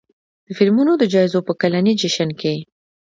د فلمونو د جایزو په کلني جشن کې